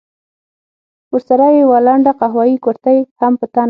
ورسره يې يوه لنډه قهويي کورتۍ هم په تن وه.